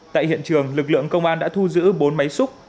tại hiện trường lực lượng công an đã thu giữ bốn máy xúc